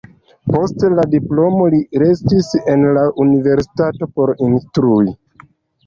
Post la diplomo li restis en la universitato por instrui.